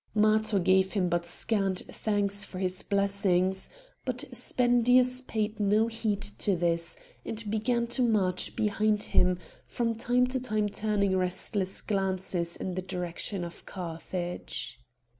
Matho gave him but scant thanks for his blessings, but Spendius paid no heed to this, and began to march behind him, from time to time turning restless glances in the direction of Carthage.